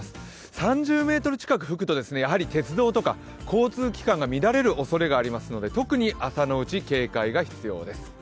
３０メートル近く吹くとやはり鉄道とか交通機関が乱れるおそれがありますから特に朝のうち警戒が必要です。